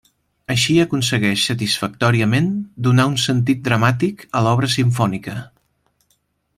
Així aconsegueix, satisfactòriament, donar un sentit dramàtic a l'obra simfònica.